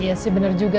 iya sih bener juga